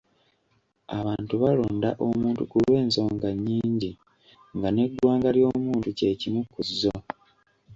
Abantu balonda omuntu ku lw'ensonga nnyingi nga n'eggwanga ly'omuntu kye kimu ku zo.